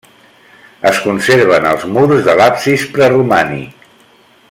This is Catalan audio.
Es conserven els murs de l'absis preromànic.